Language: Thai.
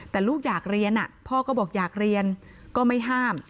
แต่ลูกอยากเรียนพ่อก็บอกอยากเรียนก็ไม่ห้าม